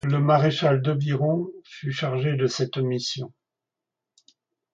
Le maréchal de Biron fut chargé de cette mission.